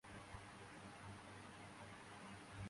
ঠিক ঐ দিন সফওয়ানও এসে হাজির হয়।